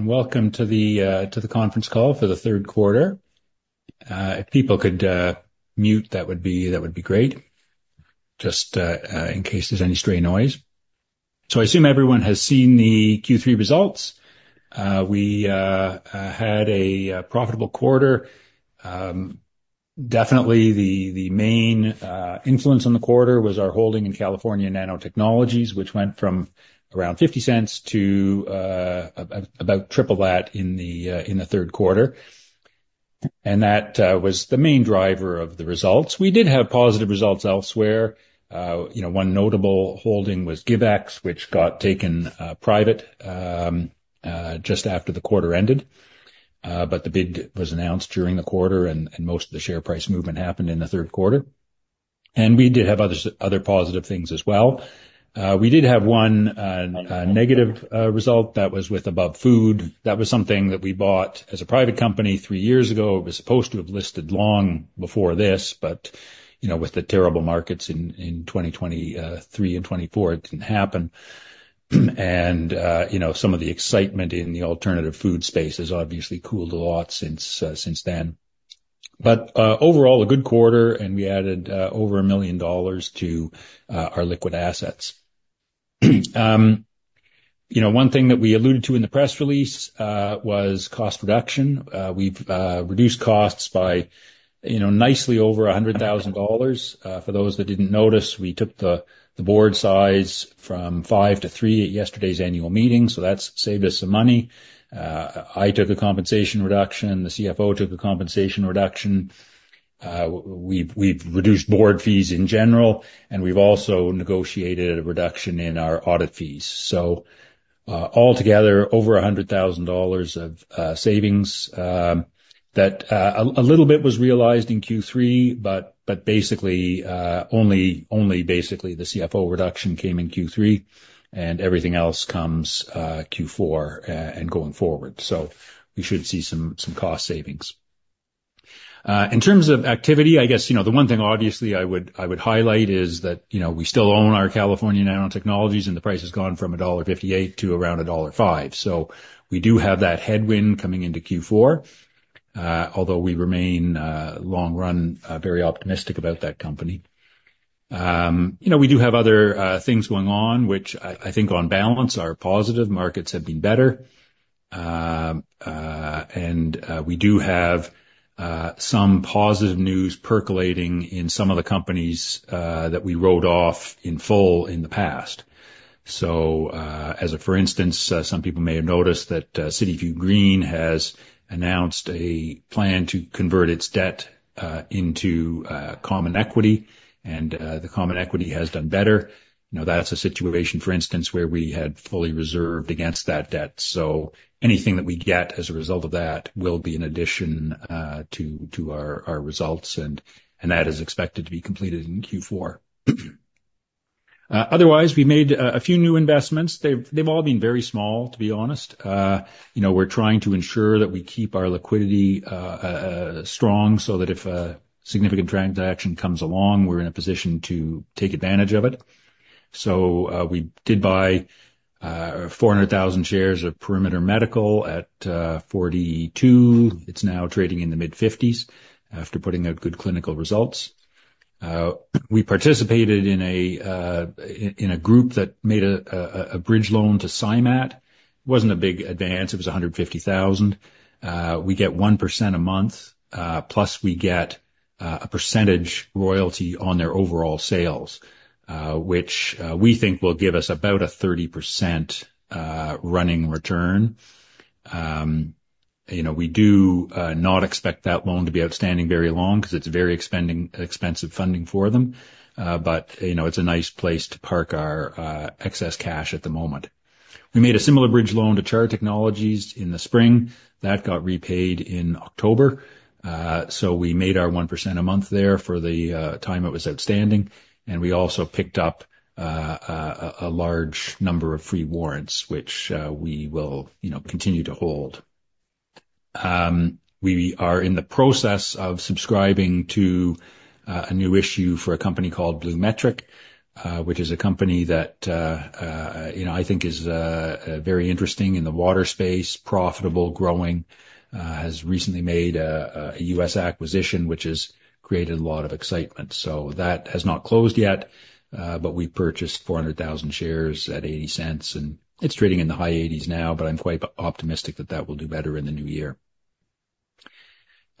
Welcome to the conference call for the third quarter. If people could mute, that would be great. Just in case there's any stray noise. I assume everyone has seen the Q3 results. We had a profitable quarter. Definitely the main influence on the quarter was our holding in California Nanotechnologies, which went from around 0.50 to about triple that in the third quarter. That was the main driver of the results. We did have positive results elsewhere. One notable holding was Givex, which got taken private just after the quarter ended. The bid was announced during the quarter, and most of the share price movement happened in the third quarter. We did have other positive things as well. We did have one negative result that was with Above Food. That was something that we bought as a private company three years ago. It was supposed to have listed long before this. With the terrible markets in 2023 and 2024, it didn't happen. Some of the excitement in the alternative food space has obviously cooled a lot since then. Overall, a good quarter, and we added over 1 million dollars to our liquid assets. One thing that we alluded to in the press release was cost reduction. We've reduced costs by nicely over 100,000 dollars. For those that didn't notice, we took the board size from five to three at yesterday's annual meeting. That's saved us some money. I took a compensation reduction. The CFO took a compensation reduction. We've reduced board fees in general, and we've also negotiated a reduction in our audit fees. Altogether, over 100,000 dollars of savings that a little bit was realized in Q3. Only basically the CFO reduction came in Q3, and everything else comes Q4 and going forward. We should see some cost savings. In terms of activity, I guess the one thing obviously I would highlight is that we still own our California Nanotechnologies, and the price has gone from dollar 1.58 to around dollar 1.5. We do have that headwind coming into Q4, although we remain long-run very optimistic about that company. We do have other things going on, which I think on balance are positive. Markets have been better. We do have some positive news percolating in some of the companies that we wrote off in full in the past. As a for instance, some people may have noticed that City View Green has announced a plan to convert its debt into common equity. The common equity has done better. That's a situation, for instance, where we had fully reserved against that debt. Anything that we get as a result of that will be an addition to our results, and that is expected to be completed in Q4. Otherwise, we made a few new investments. They've all been very small, to be honest. We're trying to ensure that we keep our liquidity strong so that if a significant transaction comes along, we're in a position to take advantage of it. We did buy 400,000 shares of Perimeter Medical at 42. It's now trading in the mid-50s after putting out good clinical results. We participated in a group that made a bridge loan to Scimat. It wasn't a big advance. It was 150,000. We get 1% a month, plus we get a percentage royalty on their overall sales, which we think will give us about a 30% running return. We do not expect that loan to be outstanding very long because it's very expensive funding for them. It's a nice place to park our excess cash at the moment. We made a similar bridge loan to Char Technologies in the spring. That got repaid in October. We made our 1% a month there for the time it was outstanding. We also picked up a large number of free warrants, which we will continue to hold. We are in the process of subscribing to a new issue for a company called BluMetric, which is a company that I think is very interesting in the water space, profitable, growing, has recently made a U.S. acquisition, which has created a lot of excitement. That has not closed yet, but we purchased 400,000 shares at 0.80, and it's trading in the high CAD 0.80s now, but I'm quite optimistic that that will do better in the new year.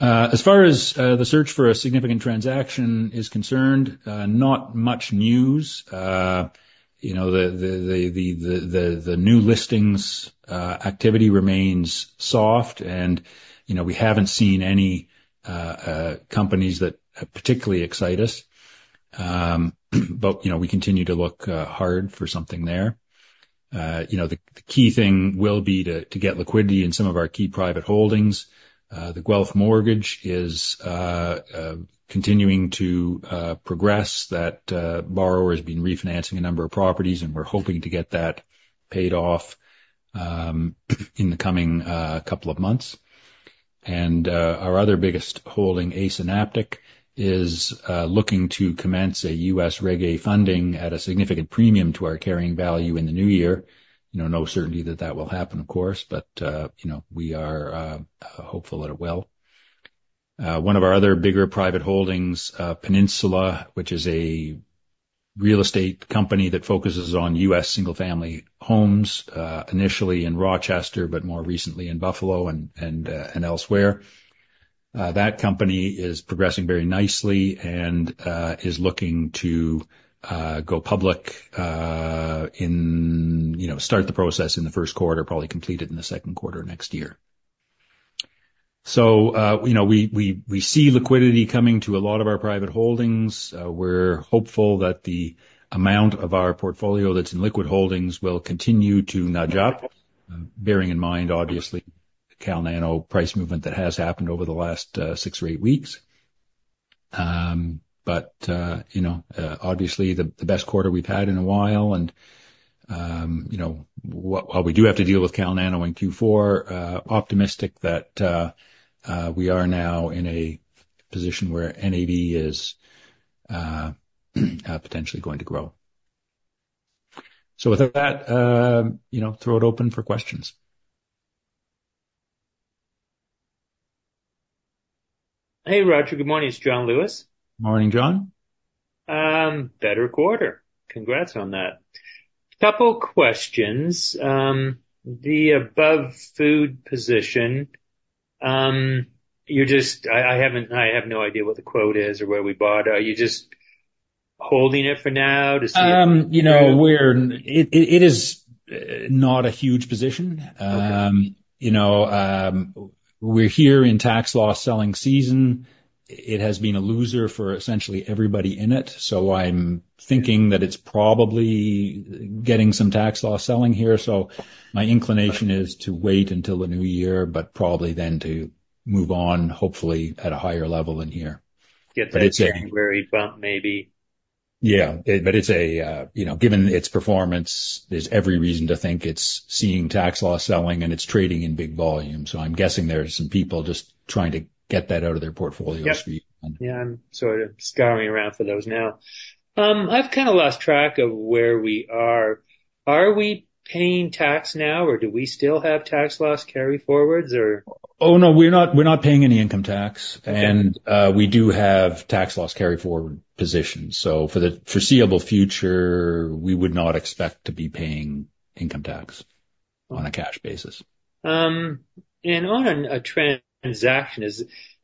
As far as the search for a significant transaction is concerned, not much news. The new listings activity remains soft, and we haven't seen any companies that particularly excite us. We continue to look hard for something there. The key thing will be to get liquidity in some of our key private holdings. The Guelph Mortgage is continuing to progress. That borrower has been refinancing a number of properties, and we're hoping to get that paid off in the coming couple of months. Our other biggest holding, Asynaptic, is looking to commence a U.S. Reg A funding at a significant premium to our carrying value in the new year. No certainty that that will happen, of course, but we are hopeful that it will. One of our other bigger private holdings, Peninsula, which is a real estate company that focuses on U.S. single-family homes, initially in Rochester, but more recently in Buffalo and elsewhere. That company is progressing very nicely and is looking to go public and start the process in the first quarter, probably completed in the second quarter next year. We see liquidity coming to a lot of our private holdings. We're hopeful that the amount of our portfolio that's in liquid holdings will continue to nudge up, bearing in mind, obviously, the Cal Nano price movement that has happened over the last six or eight weeks. Obviously, the best quarter we've had in a while and while we do have to deal with Cal Nano in Q4, optimistic that we are now in a position where NAV is potentially going to grow. With that, throw it open for questions. Hey, Roger. Good morning. It's John Lewis. Morning, John. Better quarter. Congrats on that. Couple questions. The Above Food position, I have no idea what the quote is or where we bought. Are you just holding it for now to see- It is not a huge position. Okay. We're here in tax-loss selling season. It has been a loser for essentially everybody in it. I'm thinking that it's probably getting some tax-loss selling here. My inclination is to wait until the new year, probably then to move on, hopefully at a higher level in here. Get that January bump maybe. Yeah. Given its performance, there's every reason to think it's seeing tax-loss selling and it's trading in big volume. I'm guessing there's some people just trying to get that out of their portfolios for year-end. Yeah. I'm sort of scouring around for those now. I've kind of lost track of where we are. Are we paying tax now, or do we still have tax loss carryforwards? Oh, no, we're not paying any income tax. Okay. We do have tax loss carryforward positions. For the foreseeable future, we would not expect to be paying income tax on a cash basis. On a transaction,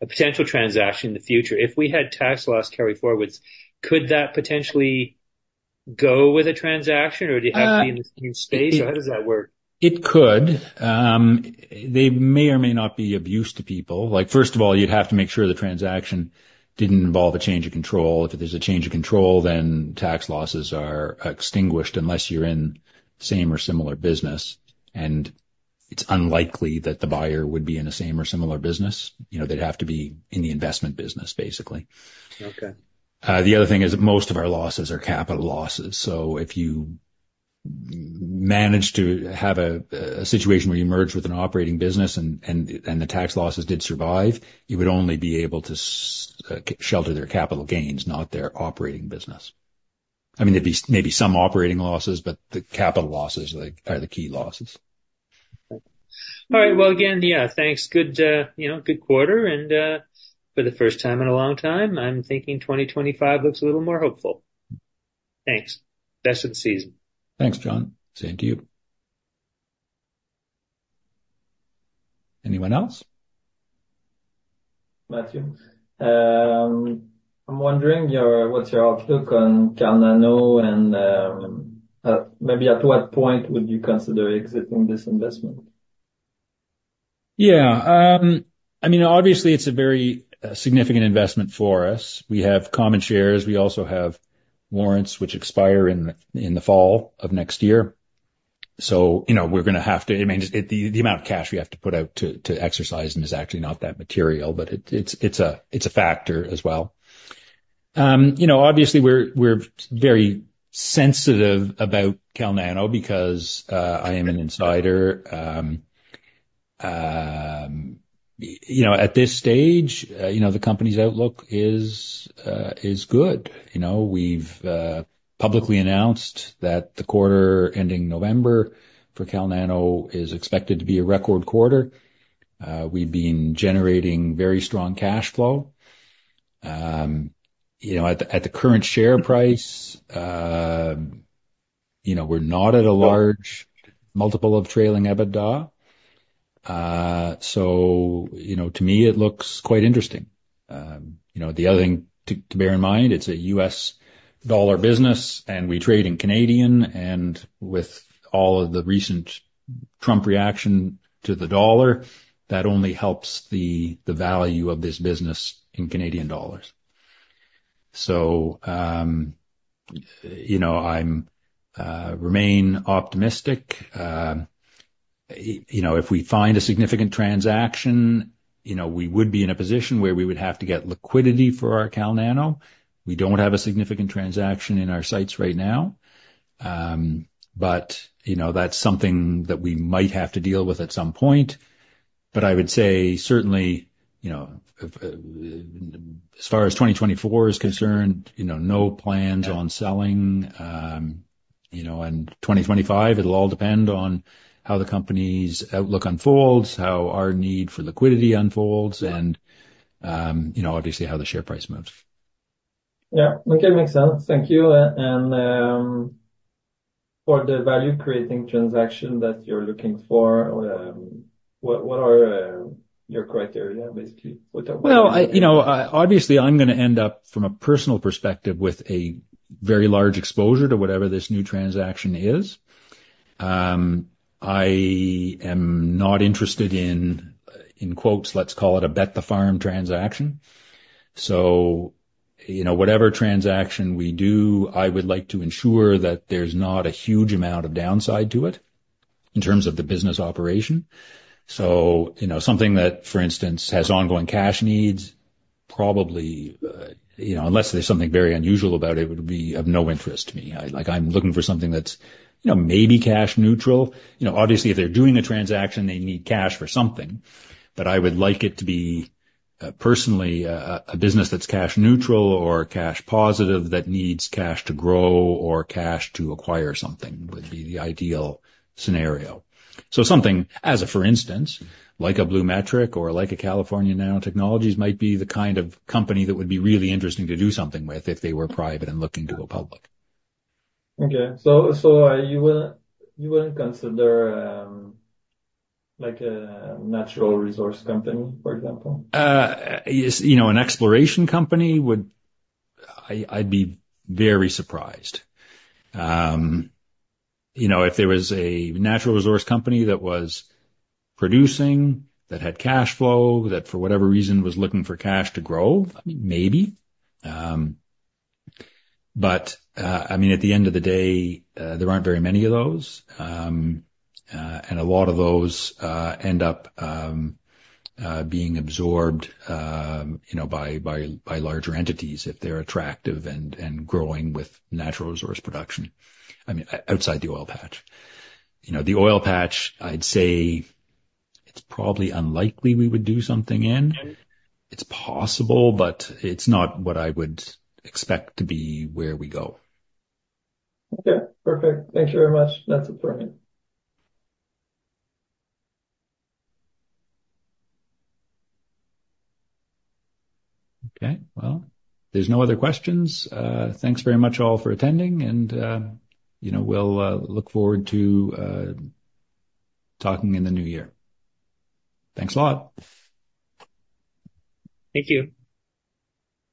a potential transaction in the future, if we had tax loss carryforwards, could that potentially go with a transaction, or do you have to be in the same space, or how does that work? It could. They may or may not be of use to people. First of all, you'd have to make sure the transaction didn't involve a change of control. If there's a change of control, then tax losses are extinguished unless you're in same or similar business. It’s unlikely that the buyer would be in the same or similar business. They'd have to be in the investment business, basically. Okay. The other thing is most of our losses are capital losses. If you manage to have a situation where you merge with an operating business and the tax losses did survive, you would only be able to shelter their capital gains, not their operating business. There'd be maybe some operating losses, but the capital losses are the key losses. All right. Well, again, yeah, thanks. Good quarter, and for the first time in a long time, I'm thinking 2025 looks a little more hopeful. Thanks. Best in season. Thanks, John. Same to you. Anyone else? Matthew. I'm wondering what's your outlook on California Nanotechnologies and maybe at what point would you consider exiting this investment? Obviously, it's a very significant investment for us. We have common shares. We also have warrants which expire in the fall of next year. The amount of cash we have to put out to exercise them is actually not that material, but it's a factor as well. Obviously, we're very sensitive about California Nanotechnologies because I am an insider. At this stage, the company's outlook is good. We've publicly announced that the quarter ending November for California Nanotechnologies is expected to be a record quarter. We've been generating very strong cash flow. At the current share price, we're not at a large multiple of trailing EBITDA. To me, it looks quite interesting. The other thing to bear in mind, it's a U.S. dollar business, and we trade in CAD, and with all of the recent Trump reaction to the dollar, that only helps the value of this business in CAD. I remain optimistic. If we find a significant transaction, we would be in a position where we would have to get liquidity for our California Nanotechnologies. We don't have a significant transaction in our sights right now. That's something that we might have to deal with at some point. I would say certainly, as far as 2024 is concerned, no plans on selling. 2025, it'll all depend on how the company's outlook unfolds, how our need for liquidity unfolds, and obviously how the share price moves. Yeah. Okay. Makes sense. Thank you. For the value-creating transaction that you're looking for, what are your criteria, basically? Well, obviously, I'm going to end up, from a personal perspective, with a very large exposure to whatever this new transaction is. I am not interested in quotes, let's call it a bet the farm transaction. Whatever transaction we do, I would like to ensure that there's not a huge amount of downside to it in terms of the business operation. Something that, for instance, has ongoing cash needs, probably, unless there's something very unusual about it, would be of no interest to me. I'm looking for something that's maybe cash neutral. Obviously, if they're doing a transaction, they need cash for something. I would like it to be, personally, a business that's cash neutral or cash positive that needs cash to grow or cash to acquire something would be the ideal scenario. something, as a for instance, like a BluMetric or like a California Nanotechnologies might be the kind of company that would be really interesting to do something with if they were private and looking to go public. Okay. You wouldn't consider a natural resource company, for example? An exploration company, I'd be very surprised. If there was a natural resource company that was producing, that had cash flow, that for whatever reason was looking for cash to grow, maybe. At the end of the day, there aren't very many of those. A lot of those end up being absorbed by larger entities if they're attractive and growing with natural resource production. Outside the oil patch. The oil patch, I'd say it's probably unlikely we would do something in. It's possible, but it's not what I would expect to be where we go. Okay, perfect. Thank you very much. That's it for me. Okay, well, if there's no other questions, thanks very much all for attending and we'll look forward to talking in the new year. Thanks a lot. Thank you.